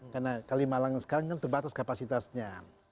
karena kalimalang sekarang kan terbatas kapasitasnya